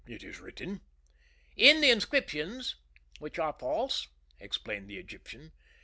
"It is written." "In the inscriptions, which are false," explained the Egyptian.